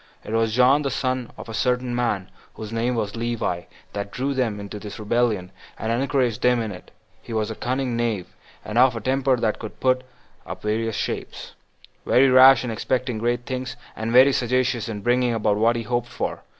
It was John, the son of a certain man whose name was Levi, that drew them into this rebellion, and encouraged them in it. He was a cunning knave, and of a temper that could put on various shapes; very rash in expecting great things, and very sagacious in bringing about what he hoped for.